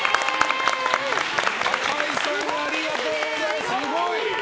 赤井さんありがとうございました！